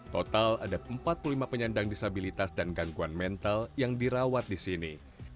total ada empat puluh lima penyandang disabilitas dan gangguan mental yang dirawat di sini